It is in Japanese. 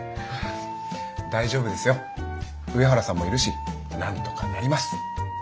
大丈夫ですよ上原さんもいるしなんとかなります。